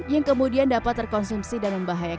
yang kemudian dapat terkonsumsi dan membahayakan